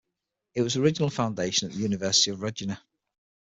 It was an original foundation at the University of Regina.